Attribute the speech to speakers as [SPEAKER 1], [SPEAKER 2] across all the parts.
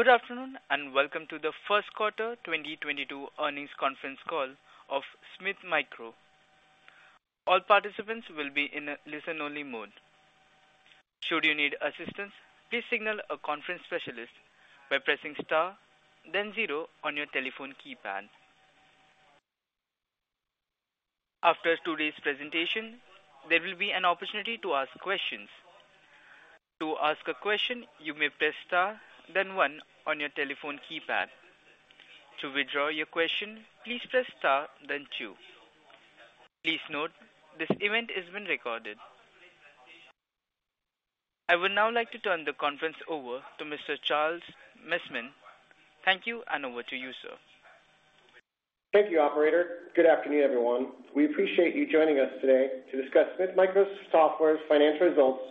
[SPEAKER 1] Good afternoon, and welcome to the Q1 2022 earnings conference call of Smith Micro. All participants will be in a listen-only mode. Should you need assistance, please signal a conference specialist by pressing star, then zero on your telephone keypad. After today's presentation, there will be an opportunity to ask questions. To ask a question, you may press star then one on your telephone keypad. To withdraw your question, please press Star then two. Please note this event is being recorded. I would now like to turn the conference over to Mr. Charles Messman. Thank you, and over to you, sir.
[SPEAKER 2] Thank you, operator. Good afternoon, everyone. We appreciate you joining us today to discuss Smith Micro Software's financial results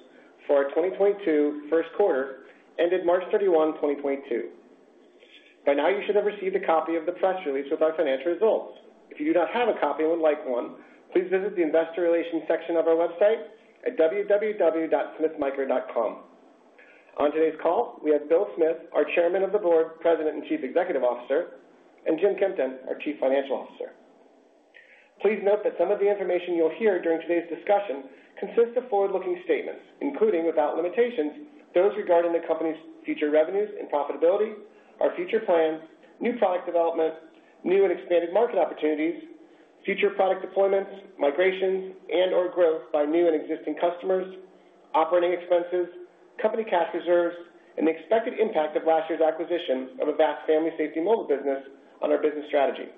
[SPEAKER 2] for our 2022 Q1 ended March 31, 2022. By now, you should have received a copy of the press release with our financial results. If you do not have a copy and would like one, please visit the investor relations section of our website at www.smithmicro.com. On today's call, we have Bill Smith, our Chairman of the Board, President, and Chief Executive Officer, and Jim Kempton, our Chief Financial Officer. Please note that some of the information you'll hear during today's discussion consists of forward-looking statements, including without limitations, those regarding the company's future revenues and profitability, our future plans, new product developments, new and expanded market opportunities, future product deployments, migrations, and/or growth by new and existing customers, operating expenses, company cash reserves, and the expected impact of last year's acquisition of Avast Family Safety Mobile business on our business strategy,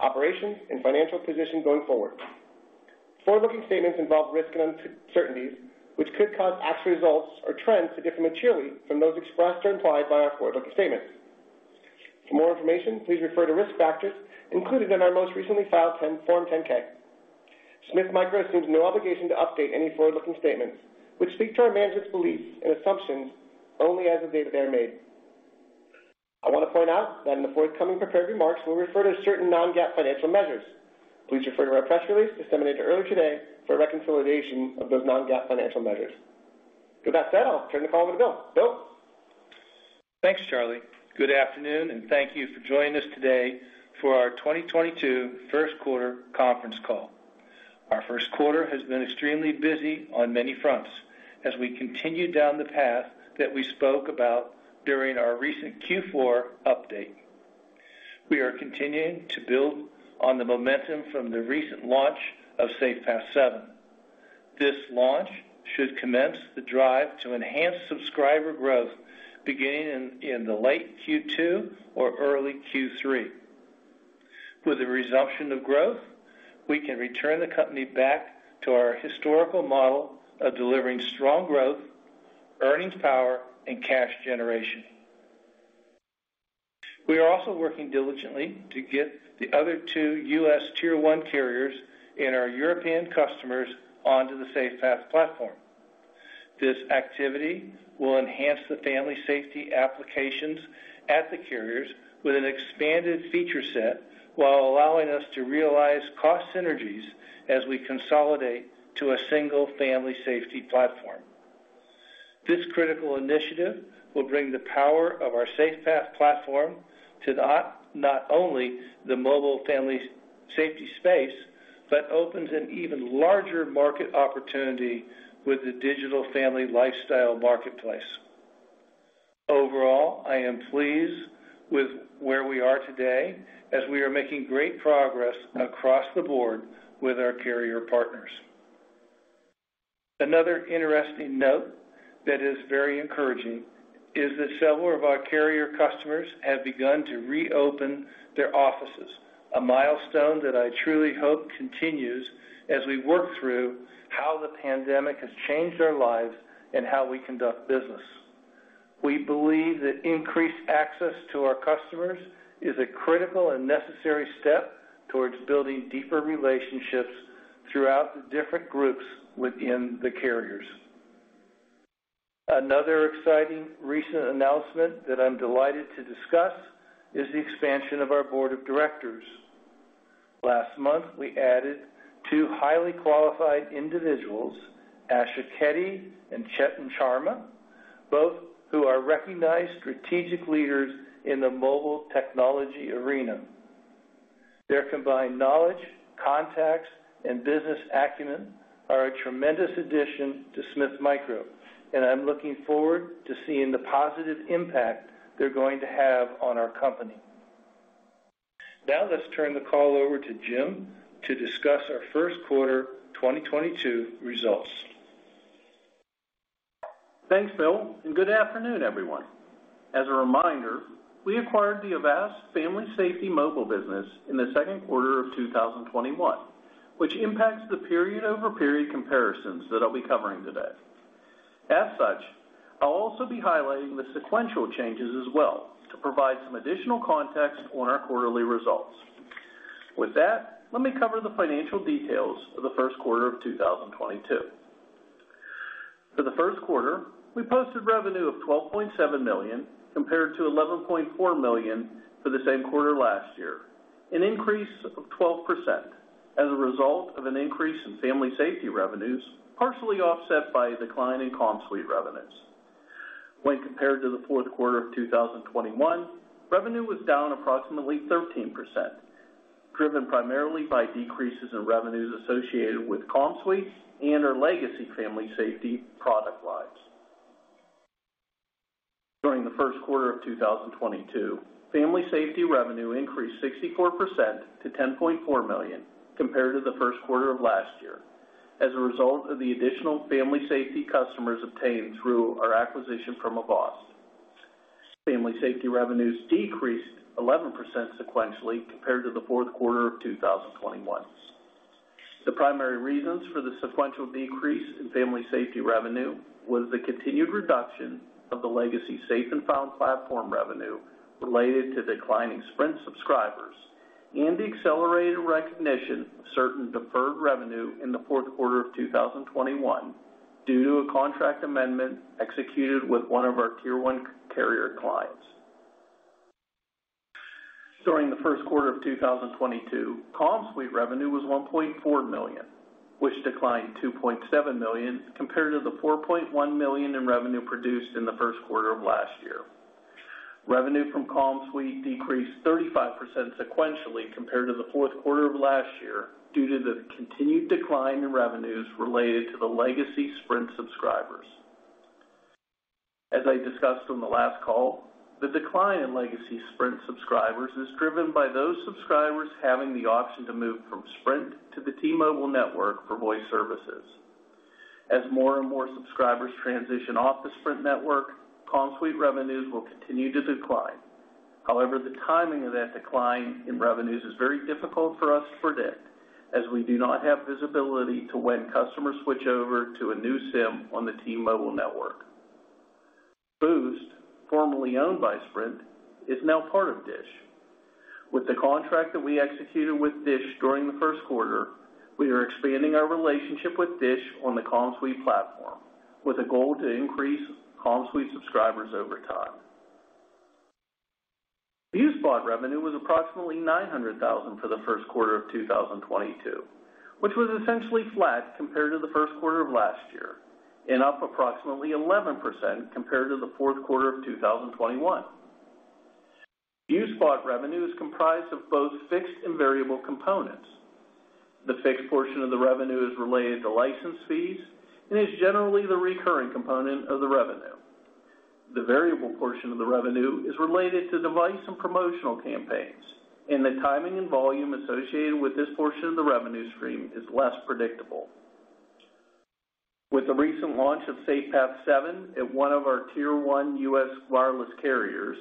[SPEAKER 2] operations and financial position going forward. Forward-looking statements involve risks and uncertainties, which could cause actual results or trends to differ materially from those expressed or implied by our forward-looking statements. For more information, please refer to risk factors included in our most recently filed Form 10-K. Smith Micro assumes no obligation to update any forward-looking statements which speak to our management's beliefs and assumptions only as of date that they are made. I wanna point out that in the forthcoming prepared remarks, we'll refer to certain non-GAAP financial measures. Please refer to our press release disseminated earlier today for a reconciliation of those non-GAAP financial measures. With that said, I'll turn the call over to Bill. Bill?
[SPEAKER 3] Thanks, Charles. Good afternoon, and thank you for joining us today for our 2022 Q1 conference call. Our Q1 has been extremely busy on many fronts as we continue down the path that we spoke about during our recent Q4 update. We are continuing to build on the momentum from the recent launch of SafePath 7. This launch should commence the drive to enhance subscriber growth beginning in the late Q2 or early Q3. With a resumption of growth, we can return the company back to our historical model of delivering strong growth, earnings power and cash generation. We are also working diligently to get the other two U.S. tier one carriers and our European customers onto the SafePath platform. This activity will enhance the family safety applications at the carriers with an expanded feature set while allowing us to realize cost synergies as we consolidate to a single family safety platform. This critical initiative will bring the power of our SafePath platform to not only the mobile family safety space, but opens an even larger market opportunity with the digital family lifestyle marketplace. Overall, I am pleased with where we are today as we are making great progress across the board with our carrier partners. Another interesting note that is very encouraging is that several of our carrier customers have begun to reopen their offices, a milestone that I truly hope continues as we work through how the pandemic has changed our lives and how we conduct business. We believe that increased access to our customers is a critical and necessary step towards building deeper relationships throughout the different groups within the carriers. Another exciting recent announcement that I'm delighted to discuss is the expansion of our board of directors. Last month, we added two highly qualified individuals, Asha Keddy and Chetan Sharma, both who are recognized strategic leaders in the mobile technology arena. Their combined knowledge, contacts, and business acumen are a tremendous addition to Smith Micro, and I'm looking forward to seeing the positive impact they're going to have on our company. Now let's turn the call over to Jim to discuss our Q1 2022 results.
[SPEAKER 4] Thanks, Bill, and good afternoon, everyone. As a reminder, we acquired the Avast Family Safety Mobile business in the Q2 of 2021, which impacts the period-over-period comparisons that I'll be covering today. As such, I'll also be highlighting the sequential changes as well to provide some additional context on our quarterly results. With that, let me cover the financial details for the Q1 of 2022. For the Q1, we posted revenue of $12.7 million, compared to $11.4 million for the same quarter last year. An increase of 12% as a result of an increase in Family Safety revenues, partially offset by a decline in CommSuite revenues. When compared to the Q4 of 2021, revenue was down approximately 13%, driven primarily by decreases in revenues associated with CommSuite and our legacy Family Safety product lines. During the Q1 of 2022, Family Safety revenue increased 64% to $10.4 million compared to the Q1 of last year as a result of the additional Family Safety customers obtained through our acquisition from Avast. Family Safety revenues decreased 11% sequentially compared to the Q4 of 2021. The primary reasons for the sequential decrease in Family Safety revenue was the continued reduction of the legacy Safe & Found platform revenue related to declining Sprint subscribers and the accelerated recognition of certain deferred revenue in the Q4 of 2021 due to a contract amendment executed with one of our tier one carrier clients. During the Q1 of 2022, CommSuite revenue was $1.4 million, which declined to $0.7 million compared to the $4.1 million in revenue produced in the Q1 of last year. Revenue from CommSuite decreased 35% sequentially compared to the Q4 of last year due to the continued decline in revenues related to the legacy Sprint subscribers. As I discussed on the last call, the decline in legacy Sprint subscribers is driven by those subscribers having the option to move from Sprint to the T-Mobile network for voice services. As more and more subscribers transition off the Sprint network, CommSuite revenues will continue to decline. However, the timing of that decline in revenues is very difficult for us to predict as we do not have visibility to when customers switch over to a new SIM on the T-Mobile network. Boost, formerly owned by Sprint, is now part of Dish. With the contract that we executed with Dish during the Q1, we are expanding our relationship with Dish on the CommSuite platform with a goal to increase CommSuite subscribers over time. ViewSpot revenue was approximately $900,000 for the Q1of 2022, which was essentially flat compared to the Q1 of last year, and up approximately 11% compared to the Q4 of 2021. ViewSpot revenue is comprised of both fixed and variable components. The fixed portion of the revenue is related to license fees and is generally the recurring component of the revenue. The variable portion of the revenue is related to device and promotional campaigns, and the timing and volume associated with this portion of the revenue stream is less predictable. With the recent launch of SafePath 7 at one of our tier 1 U.S. wireless carriers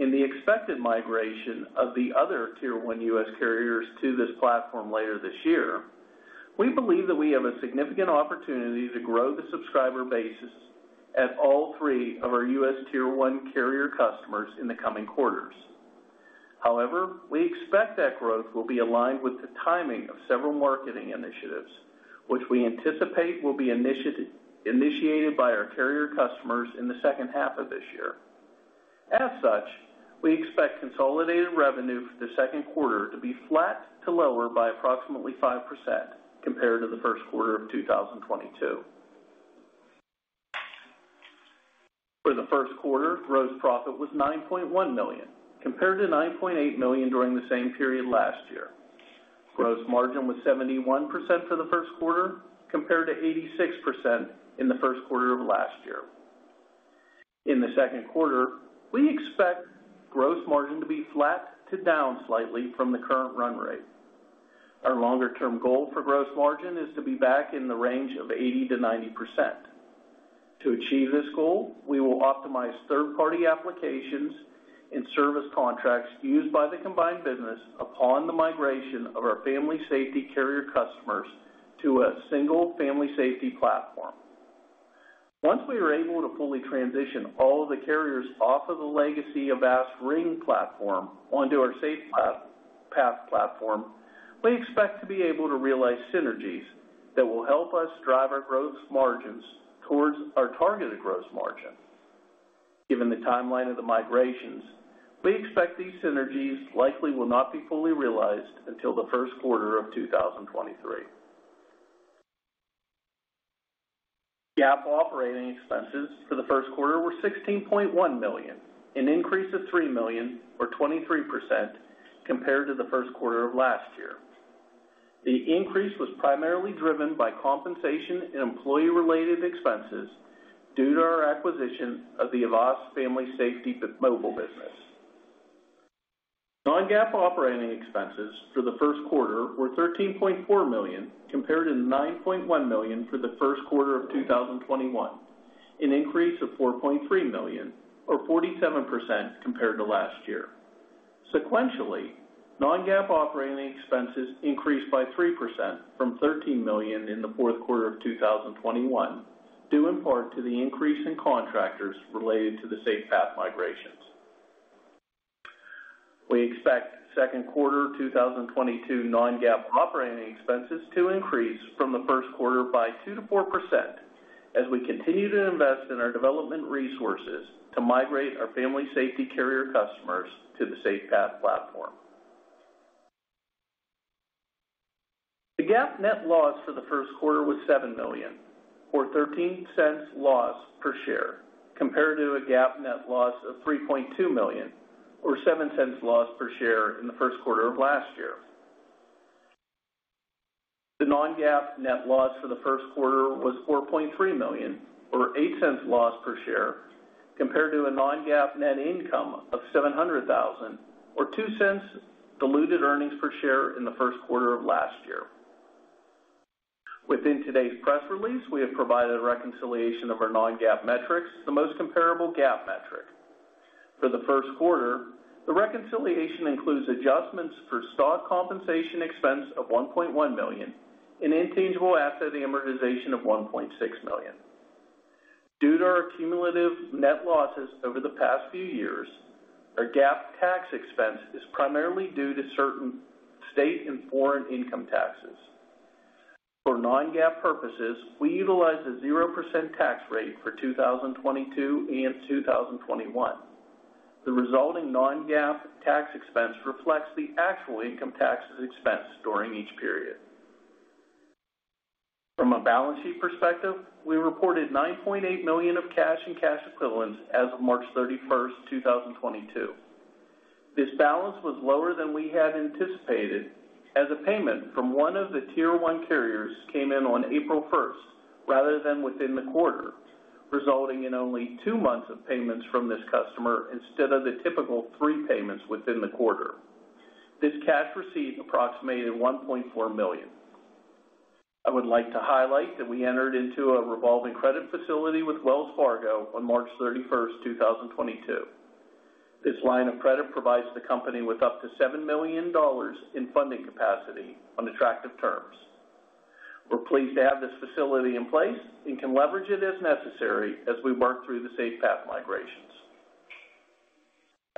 [SPEAKER 4] and the expected migration of the other tier 1 U.S. wireless carriers to this platform later this year, we believe that we have a significant opportunity to grow the subscriber base at all three of our U.S. tier 1 carrier customers in the coming quarters. However, we expect that growth will be aligned with the timing of several marketing initiatives, which we anticipate will be initiated by our carrier customers in the second half of this year. As such, we expect consolidated revenue for the Q2 to be flat to lower by approximately 5% compared to the Q1of 2022. For the Q1, gross profit was $9.1 million, compared to $9.8 million during the same period last year. Gross margin was 71% for the Q1, compared to 86% in the Q1 of last year. In the Q2, we expect gross margin to be flat to down slightly from the current run rate. Our longer-term goal for gross margin is to be back in the range of 80%-90%. To achieve this goal, we will optimize third-party applications and service contracts used by the combined business upon the migration of our Family Safety carrier customers to a single Family Safety platform. Once we are able to fully transition all of the carriers off of the legacy Avast Ring platform onto our SafePath platform, we expect to be able to realize synergies that will help us drive our gross margins towards our targeted gross margin. Given the timeline of the migrations, we expect these synergies likely will not be fully realized until the Q1 of 2023. GAAP operating expenses for the Q1 were $16.1 million, an increase of $3 million or 23% compared to the Q1 of last year. The increase was primarily driven by compensation and employee-related expenses due to our acquisition of the Avast Family Safety Mobile business. Non-GAAP operating expenses for the Q1 were $13.4 million compared to $9.1 million for the Q1 of 2021, an increase of $4.3 million or 47% compared to last year. Sequentially, non-GAAP operating expenses increased by 3% from $13 million in the Q4 of 2021, due in part to the increase in contractors related to the SafePath migrations. We expect Q2 2022 non-GAAP operating expenses to increase from the Q1 by 2%-4%. We continue to invest in our development resources to migrate our family safety carrier customers to the SafePath platform. The GAAP net loss for the Q1 was $7 million or $0.13 loss per share, compared to a GAAP net loss of $3.2 million or $0.07 loss per share in the Q1 of last year. The non-GAAP net loss for the Q1 was $4.3 million or $0.08 loss per share, compared to a non-GAAP net income of $700,000 or $0.02 diluted earnings per share in the Q1 of last year. Within today's press release, we have provided a reconciliation of our non-GAAP metrics, the most comparable GAAP metric. For the Q1, the reconciliation includes adjustments for stock compensation expense of $1.1 million and intangible asset amortization of $1.6 million. Due to our cumulative net losses over the past few years, our GAAP tax expense is primarily due to certain state and foreign income taxes. For non-GAAP purposes, we utilize a 0% tax rate for 2022 and 2021. The resulting non-GAAP tax expense reflects the actual income taxes expense during each period. From a balance sheet perspective, we reported $9.8 million of cash and cash equivalents as of March 31, 2022. This balance was lower than we had anticipated as a payment from one of the tier 1 carriers came in on April 1 rather than within the quarter, resulting in only two months of payments from this customer instead of the typical three payments within the quarter. This cash receipt approximated $1.4 million. I would like to highlight that we entered into a revolving credit facility with Wells Fargo on March 31, 2022. This line of credit provides the company with up to $7 million in funding capacity on attractive terms. We're pleased to have this facility in place and can leverage it as necessary as we work through the SafePath migrations.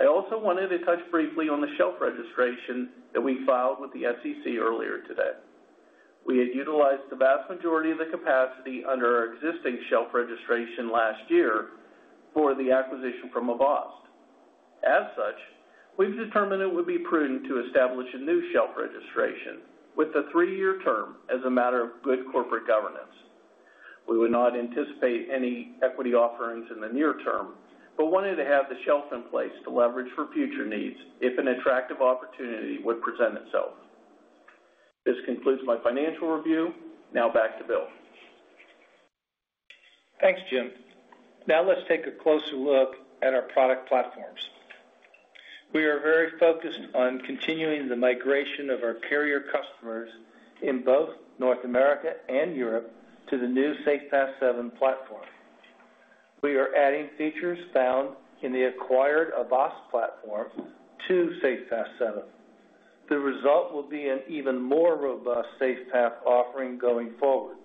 [SPEAKER 4] I also wanted to touch briefly on the shelf registration that we filed with the SEC earlier today. We had utilized the vast majority of the capacity under our existing shelf registration last year for the acquisition from Avast. As such, we've determined it would be prudent to establish a new shelf registration with a three-year term as a matter of good corporate governance. We would not anticipate any equity offerings in the near term, but wanted to have the shelf in place to leverage for future needs if an attractive opportunity would present itself. This concludes my financial review. Now back to Bill.
[SPEAKER 3] Thanks, Jim. Now let's take a closer look at our product platforms. We are very focused on continuing the migration of our carrier customers in both North America and Europe to the new SafePath Seven platform. We are adding features found in the acquired Avast platform to SafePath Seven. The result will be an even more robust SafePath offering going forward.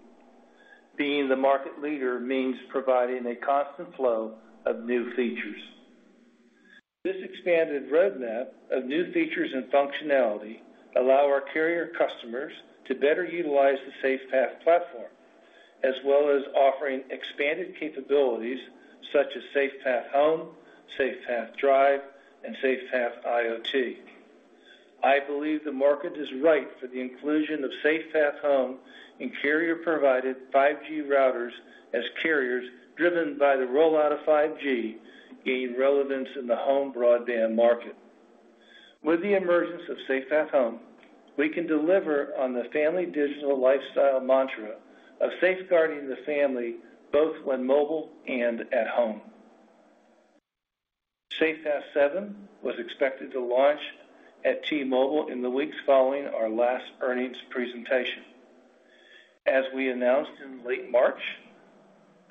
[SPEAKER 3] Being the market leader means providing a constant flow of new features. This expanded roadmap of new features and functionality allow our carrier customers to better utilize the SafePath platform, as well as offering expanded capabilities such as SafePath Home, SafePath Drive, and SafePath IoT. I believe the market is right for the inclusion of SafePath Home and carrier-provided 5G routers as carriers driven by the rollout of 5G gain relevance in the home broadband market. With the emergence of SafePath Home, we can deliver on the family digital lifestyle mantra of safeguarding the family both when mobile and at home. SafePath 7 was expected to launch at T-Mobile in the weeks following our last earnings presentation. As we announced in late March,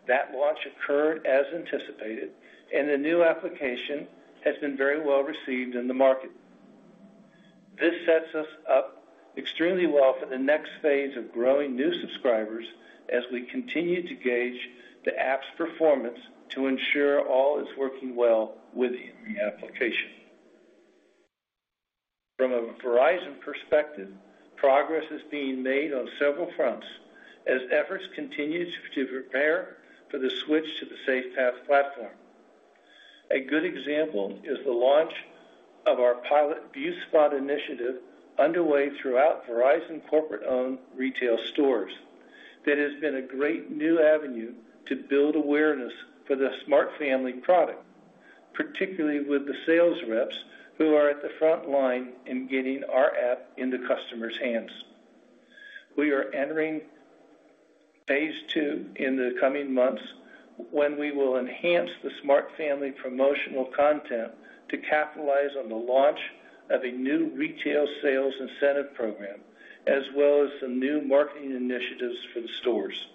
[SPEAKER 3] that launch occurred as anticipated, and the new application has been very well received in the market. This sets us up extremely well for the next phase of growing new subscribers as we continue to gauge the app's performance to ensure all is working well within the application. From a Verizon perspective, progress is being made on several fronts as efforts continue to prepare for the switch to the SafePath platform. A good example is the launch of our pilot ViewSpot initiative underway throughout Verizon corporate-owned retail stores. That has been a great new avenue to build awareness for the Smart Family product, particularly with the sales reps who are at the front line in getting our app into customers' hands. We are entering phase two in the coming months when we will enhance the Smart Family promotional content to capitalize on the launch of a new retail sales incentive program, as well as some new marketing initiatives for the stores.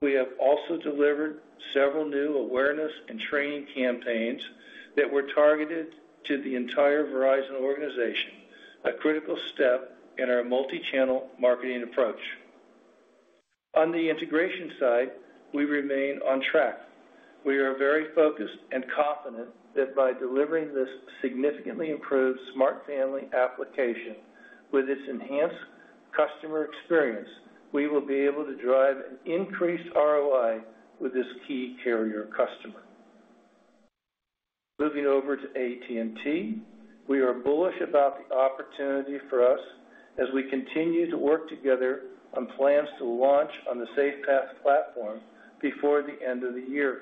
[SPEAKER 3] We have also delivered several new awareness and training campaigns that were targeted to the entire Verizon organization, a critical step in our multi-channel marketing approach. On the integration side, we remain on track. We are very focused and confident that by delivering this significantly improved Smart Family application with its enhanced customer experience, we will be able to drive an increased ROI with this key carrier customer. Moving over to AT&T, we are bullish about the opportunity for us as we continue to work together on plans to launch on the SafePath platform before the end of the year.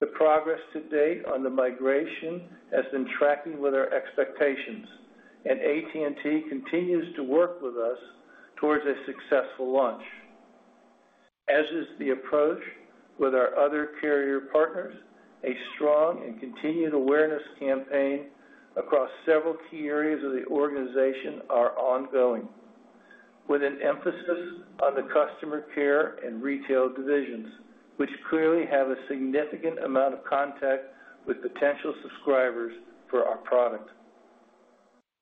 [SPEAKER 3] The progress to date on the migration has been tracking with our expectations, and AT&T continues to work with us towards a successful launch. As is the approach with our other carrier partners, a strong and continued awareness campaign across several key areas of the organization are ongoing, with an emphasis on the customer care and retail divisions, which clearly have a significant amount of contact with potential subscribers for our product.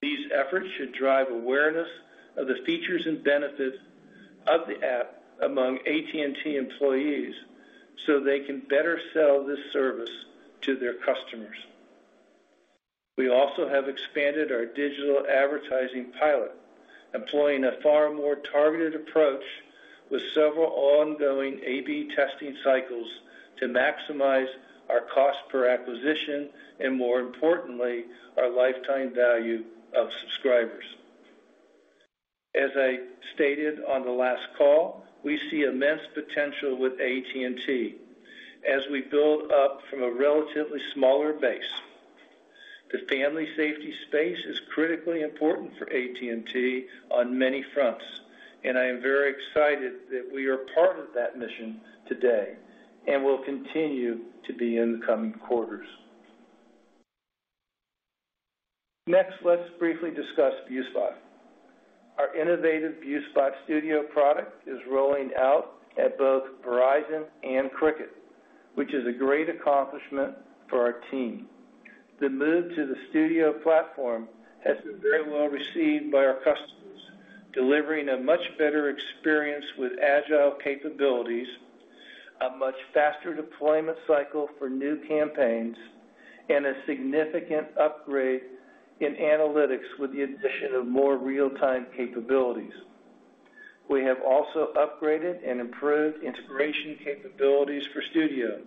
[SPEAKER 3] These efforts should drive awareness of the features and benefits of the app among AT&T employees, so they can better sell this service to their customers. We also have expanded our digital advertising pilot, employing a far more targeted approach with several ongoing A/B testing cycles to maximize our cost per acquisition and more importantly, our lifetime value of subscribers. As I stated on the last call, we see immense potential with AT&T as we build up from a relatively smaller base. The family safety space is critically important for AT&T on many fronts, and I am very excited that we are part of that mission today and will continue to be in the coming quarters. Next, let's briefly discuss ViewSpot. Our innovative ViewSpot Studio product is rolling out at both Verizon and Cricket, which is a great accomplishment for our team. The move to the Studio platform has been very well received by our customers, delivering a much better experience with agile capabilities, a much faster deployment cycle for new campaigns, and a significant upgrade in analytics with the addition of more real-time capabilities. We have also upgraded and improved integration capabilities for Studio,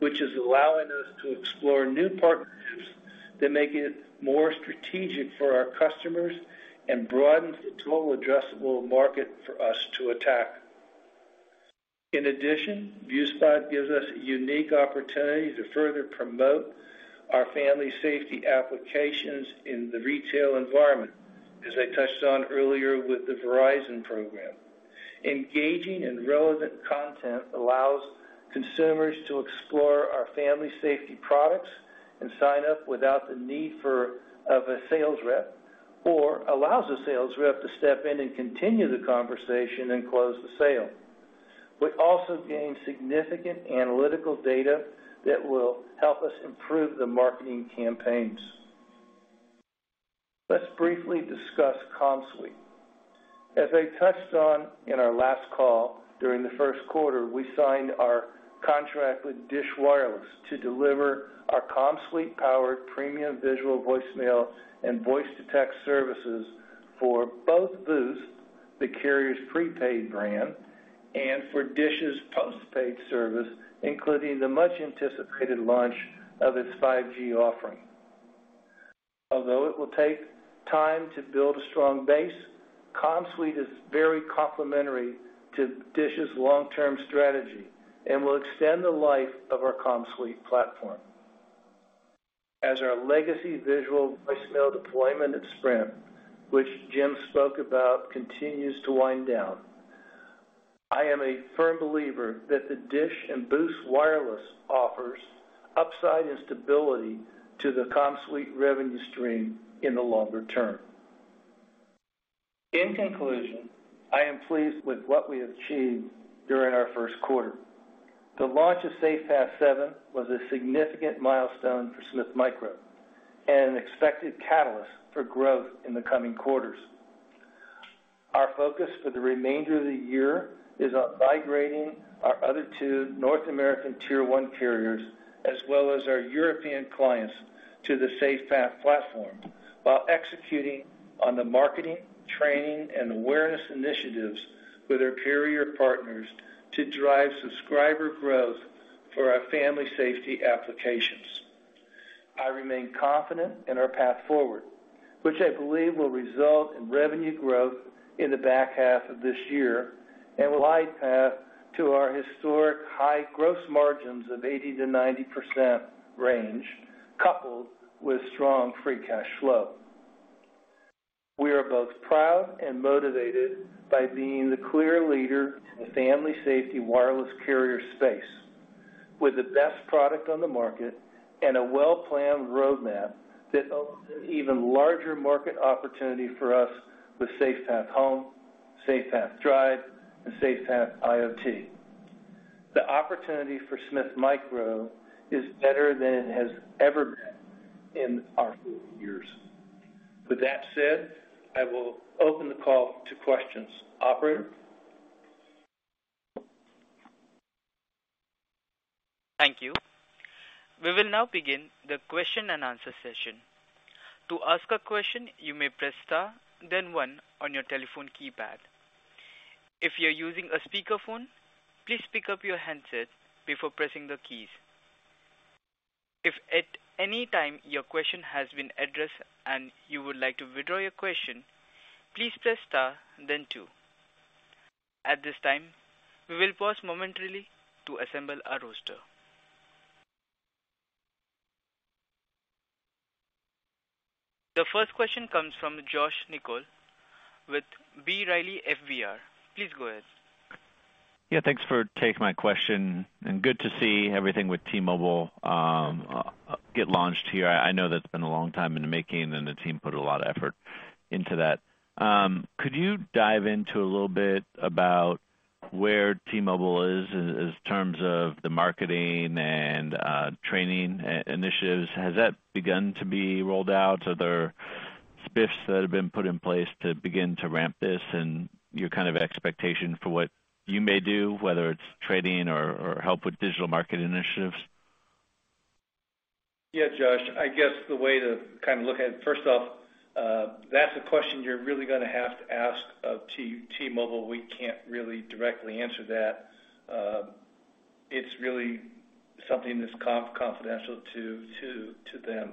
[SPEAKER 3] which is allowing us to explore new partnerships that make it more strategic for our customers and broadens the total addressable market for us to attack. In addition, ViewSpot gives us a unique opportunity to further promote our family safety applications in the retail environment, as I touched on earlier with the Verizon program. Engaging in relevant content allows consumers to explore our family safety products and sign up without the need for a sales rep, or allows a sales rep to step in and continue the conversation and close the sale. We also gain significant analytical data that will help us improve the marketing campaigns. Let's briefly discuss CommSuite. As I touched on in our last call, during the Q1, we signed our contract with Dish Wireless to deliver our CommSuite-powered premium visual voicemail and voice-to-text services for both Boost, the carrier's prepaid brand, and for Dish's postpaid service, including the much-anticipated launch of its 5G offering. Although it will take time to build a strong base, CommSuite is very complementary to Dish's long-term strategy and will extend the life of our CommSuite platform. As our legacy visual voicemail deployment at Sprint, which Jim spoke about, continues to wind down, I am a firm believer that the Dish and Boost Wireless offers upside and stability to the CommSuite revenue stream in the longer term. In conclusion, I am pleased with what we have achieved during our Q1. The launch of SafePath 7 was a significant milestone for Smith Micro and an expected catalyst for growth in the coming quarters. Our focus for the remainder of the year is on migrating our other two North American tier 1 carriers, as well as our European clients to the SafePath platform while executing on the marketing, training, and awareness initiatives with our carrier partners to drive subscriber growth for our family safety applications. I remain confident in our path forward, which I believe will result in revenue growth in the back half of this year and will lay path to our historically high gross margins of 80%-90% range, coupled with strong free cash flow. We are both proud and motivated by being the clear leader in the family safety wireless carrier space with the best product on the market and a well-planned roadmap that opens an even larger market opportunity for us with SafePath Home, SafePath Drive, and SafePath IoT. The opportunity for Smith Micro is better than it has ever been in our years. With that said, I will open the call to questions. Operator?
[SPEAKER 1] Thank you. We will now begin the question and answer session. To ask a question, you may press star one on your telephone keypad. If you're using a speakerphone, please pick up your handset before pressing the keys. If at any time your question has been addressed and you would like to withdraw your question, please press star then two. At this time, we will pause momentarily to assemble our roster. The first question comes from Josh Nichols with B. Riley FBR. Please go ahead.
[SPEAKER 5] Yeah, thanks for taking my question and good to see everything with T-Mobile get launched here. I know that's been a long time in the making and the team put a lot of effort into that. Could you dive into a little bit about where T-Mobile is in terms of the marketing and training initiatives? Has that begun to be rolled out? Are there spiffs that have been put in place to begin to ramp this and your kind of expectation for what you may do, whether it's training or help with digital marketing initiatives?
[SPEAKER 3] Yeah, Josh, I guess the way to kind of look at it, first off, that's a question you're really gonna have to ask of T-Mobile. We can't really directly answer that. It's really something that's confidential to them.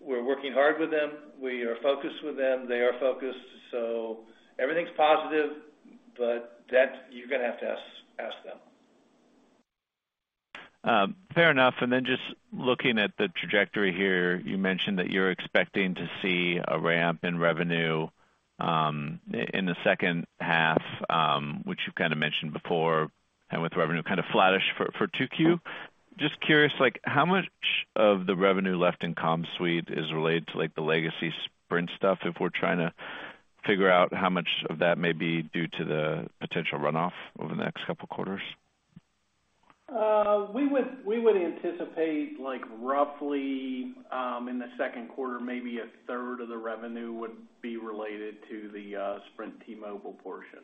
[SPEAKER 3] We're working hard with them. We are focused with them. They are focused, so everything's positive, but that you're gonna have to ask them.
[SPEAKER 5] Fair enough. Then just looking at the trajectory here, you mentioned that you're expecting to see a ramp in revenue, in the second half, which you kinda mentioned before and with revenue kind of flattish for 2Q. Just curious, like how much of the revenue left in CommSuite is related to like the legacy Sprint stuff, if we're trying to figure out how much of that may be due to the potential runoff over the next couple of quarters?
[SPEAKER 4] We would anticipate like roughly in the Q2, maybe 1/3 of the revenue would be related to the Sprint T-Mobile portion.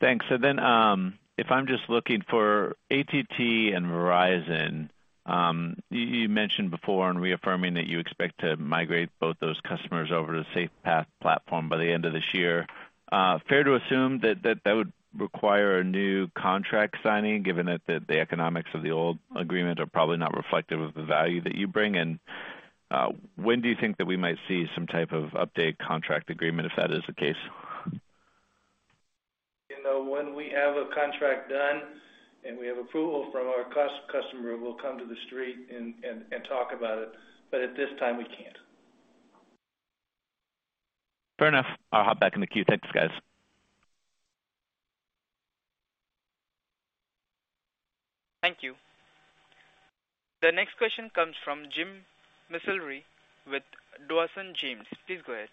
[SPEAKER 5] Thanks. If I'm just looking for AT&T and Verizon, you mentioned before and reaffirming that you expect to migrate both those customers over to SafePath platform by the end of this year. Fair to assume that would require a new contract signing, given that the economics of the old agreement are probably not reflective of the value that you bring? And when do you think that we might see some type of updated contract agreement, if that is the case?
[SPEAKER 3] You know, when we have a contract done and we have approval from our customer, we'll come to the street and talk about it. At this time, we can't.
[SPEAKER 5] Fair enough. I'll hop back in the queue. Thanks, guys.
[SPEAKER 1] Thank you. The next question comes from James McIlree with Dawson James. Please go ahead.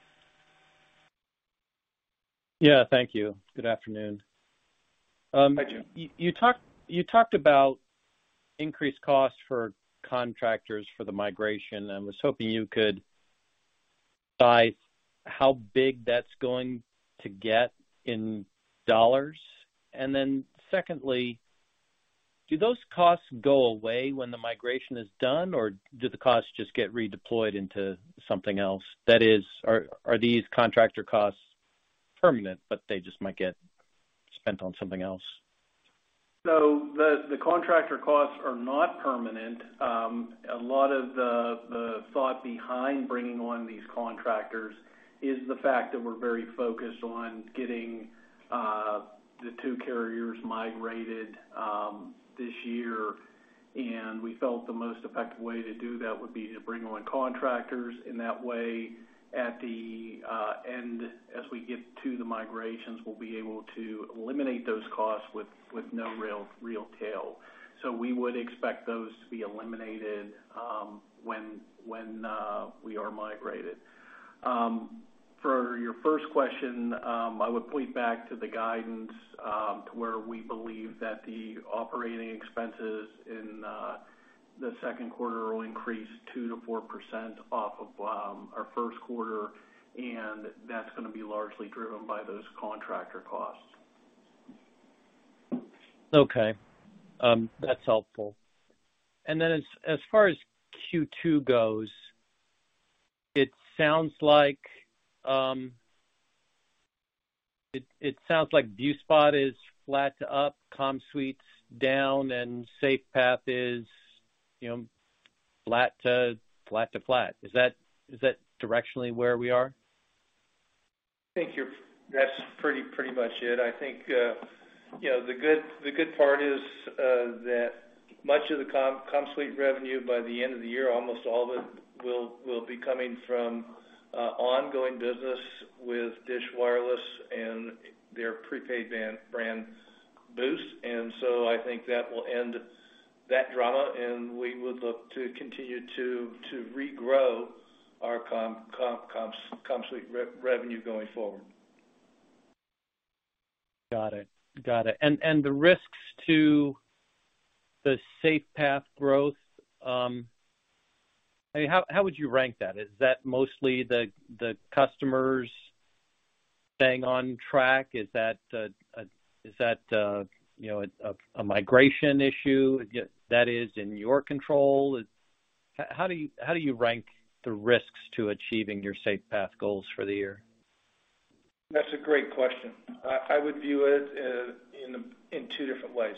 [SPEAKER 6] Yeah, thank you. Good afternoon.
[SPEAKER 4] Hi, Jim.
[SPEAKER 6] You talked about increased costs for contractors for the migration. I was hoping you could advise how big that's going to get in dollars. Secondly, do those costs go away when the migration is done, or do the costs just get redeployed into something else? That is, are these contractor costs permanent, but they just might get spent on something else?
[SPEAKER 4] The contractor costs are not permanent. A lot of the thought behind bringing on these contractors is the fact that we're very focused on getting the two carriers migrated this year. We felt the most effective way to do that would be to bring on contractors in that way at the end, as we get to the migrations, we'll be able to eliminate those costs with no real tail. We would expect those to be eliminated when we are migrated. For your first question, I would point back to the guidance to where we believe that the operating expenses in the Q2 will increase 2%-4% off of our Q1, and that's gonna be largely driven by those contractor costs.
[SPEAKER 6] Okay. That's helpful. As far as Q2 goes, it sounds like ViewSpot is flat to up, CommSuite's down, and SafePath is, you know, flat to flat. Is that directionally where we are?
[SPEAKER 4] I think that's pretty much it. I think, you know, the good part is, that much of the CommSuite revenue by the end of the year, almost all of it will be coming from, ongoing business with Dish Wireless and their prepaid brand Boost. I think that will end that drama, and we would look to continue to regrow our CommSuite revenue going forward.
[SPEAKER 6] Got it. The risks to the SafePath growth, I mean, how would you rank that? Is that mostly the customers staying on track? Is that you know, a migration issue that is in your control? How do you rank the risks to achieving your SafePath goals for the year?
[SPEAKER 3] That's a great question. I would view it in two different ways.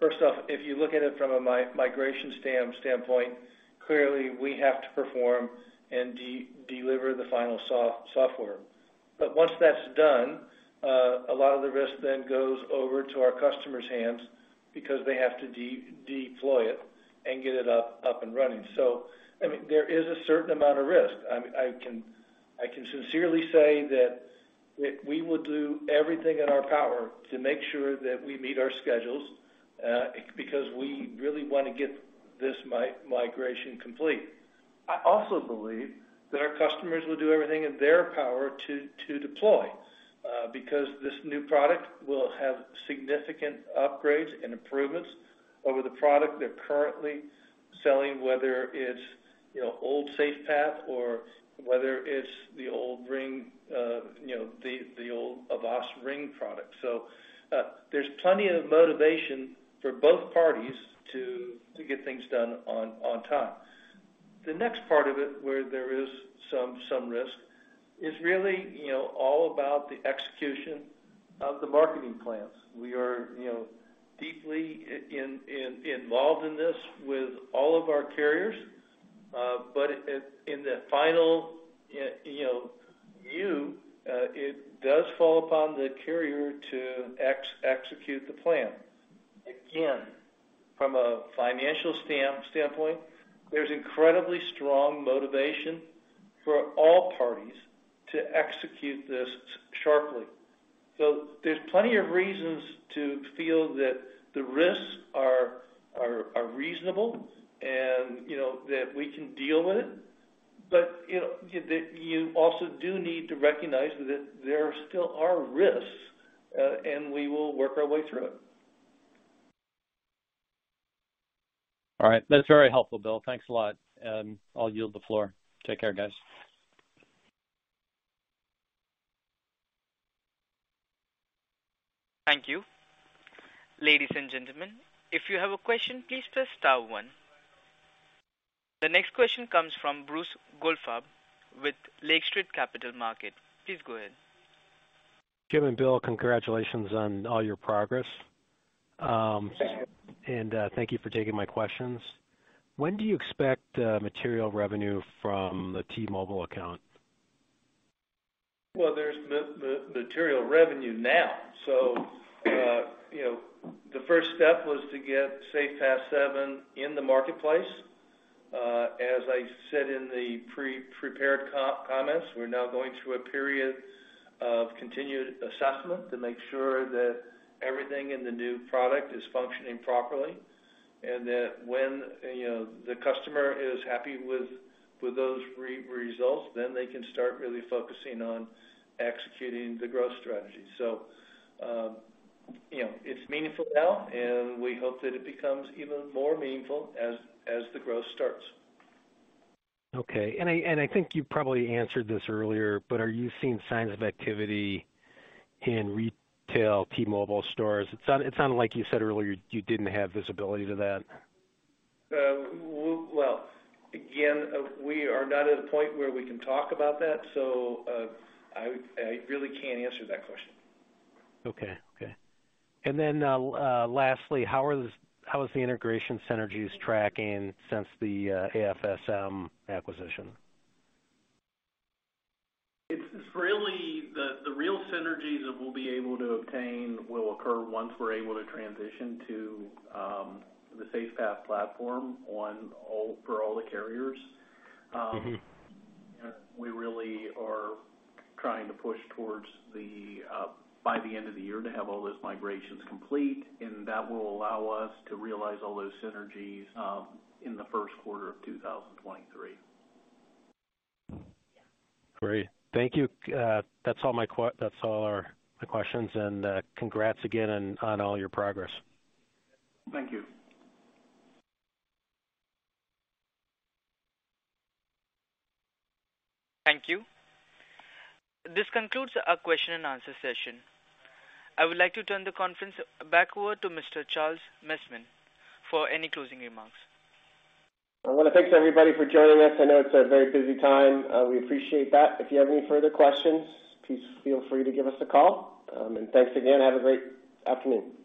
[SPEAKER 3] First off, if you look at it from a migration standpoint, clearly we have to perform and deliver the final software. Once that's done, a lot of the risk then goes over to our customers' hands because they have to deploy it and get it up and running. I mean, there is a certain amount of risk. I can sincerely say that we will do everything in our power to make sure that we meet our schedules, because we really wanna get this migration complete. I also believe that our customers will do everything in their power to deploy because this new product will have significant upgrades and improvements over the product they're currently selling, whether it's, you know, old SafePath or whether it's the old Ring, you know, the old Avast Ring product. There's plenty of motivation for both parties to get things done on time. The next part of it, where there is some risk, is really, you know, all about the execution of the marketing plans. We are, you know, deeply involved in this with all of our carriers. In the final, you know, view, it does fall upon the carrier to execute the plan. Again, from a financial standpoint, there's incredibly strong motivation for all parties to execute this sharply. There's plenty of reasons to feel that the risks are reasonable and, you know, that we can deal with it. You know, that you also do need to recognize that there still are risks, and we will work our way through it.
[SPEAKER 6] All right. That's very helpful, Bill. Thanks a lot, and I'll yield the floor. Take care, guys.
[SPEAKER 1] Thank you. Ladies and gentlemen, if you have a question, please press star one. The next question comes from Eric Martinuzzi with Lake Street Capital Markets. Please go ahead.
[SPEAKER 7] Jim and Bill, congratulations on all your progress.
[SPEAKER 3] Thank you.
[SPEAKER 7] Thank you for taking my questions. When do you expect material revenue from the T-Mobile account?
[SPEAKER 3] Well, there's material revenue now. You know, the first step was to get SafePath 7 in the marketplace. As I said in the prepared comments, we're now going through a period of continued assessment to make sure that everything in the new product is functioning properly. That when, you know, the customer is happy with those results, then they can start really focusing on executing the growth strategy. You know, it's meaningful now, and we hope that it becomes even more meaningful as the growth starts.
[SPEAKER 7] Okay. I think you probably answered this earlier, but are you seeing signs of activity in retail T-Mobile stores? It sounded like you said earlier you didn't have visibility to that.
[SPEAKER 3] Well, again, we are not at a point where we can talk about that, so I really can't answer that question.
[SPEAKER 7] Okay. Lastly, how is the integration synergies tracking since the AFSM acquisition?
[SPEAKER 3] It's really the real synergies that we'll be able to obtain will occur once we're able to transition to the SafePath platform for all the carriers.
[SPEAKER 7] Mm-hmm.
[SPEAKER 3] We really are trying to push towards the end of the year to have all those migrations complete, and that will allow us to realize all those synergies in the Q1 of 2023.
[SPEAKER 7] Great. Thank you. That's all our questions. Congrats again on all your progress.
[SPEAKER 3] Thank you.
[SPEAKER 1] Thank you. This concludes our question and answer session. I would like to turn the conference back over to Mr. Charles Messman for any closing remarks.
[SPEAKER 2] I wanna thank everybody for joining us. I know it's a very busy time. We appreciate that. If you have any further questions, please feel free to give us a call. Thanks again. Have a great afternoon.